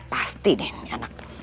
pasti deh ini anaknya